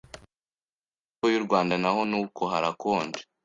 mu majyepfo y’u Rwanda naho nuko harakonje